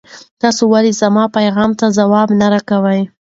تاسو ولې زما پیغام ته ځواب نه راکوئ؟